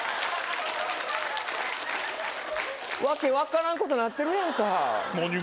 訳分からんことなってるやんか何が？